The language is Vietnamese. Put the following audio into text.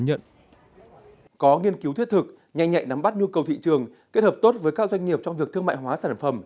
nhanh nhạy nắm bắt nhu cầu thị trường kết hợp tốt với các doanh nghiệp trong việc thương mại hóa sản phẩm